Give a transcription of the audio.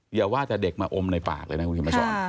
อย่าว่าจะเด็กมาอมในปากเลยนะคุณพิมมาศร